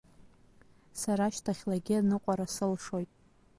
Сара шьҭахьлагьы аныҟәара сылшоит!